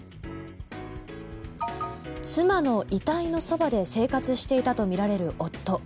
妻の遺体のそばで生活していたとみられる夫。